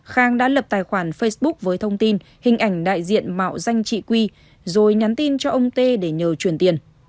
khang đã lập tài khoản facebook với thông tin hình ảnh đại diện mạo danh chị quy rồi nhắn tin cho ông tê để nhờ chuyển tiền